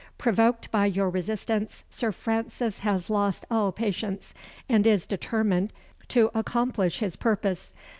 Provoked by your resistance, Sir Francis has lost all patience, and is determined to accomplish his purpose.